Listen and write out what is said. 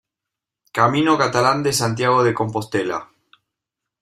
Camino Catalán de Santiago de Compostela